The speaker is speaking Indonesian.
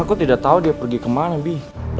aku tidak tahu dia pergi kemana bi